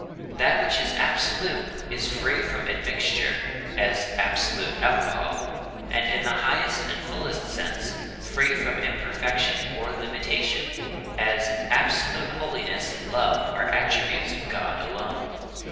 That which is absolute is free from admixture (as absolute alcohol) and in the highest and fullest sense free from imperfection or limitation; as, absolute holiness and love are attributes of God alone.